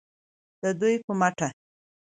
د دوی په مټه